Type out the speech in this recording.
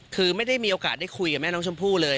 คือไม่ได้มีโอกาสได้คุยกับแม่น้องชมพู่เลย